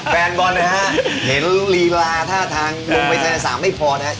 แฟนบอลนะฮะเห็นลีลาท่าทางลงไปแทนสามไม่พอนะครับ